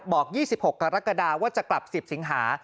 บอก๒๖กรกฎาว่าจะกลับ๑๐สิงหา